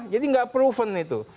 jadi nggak proven itu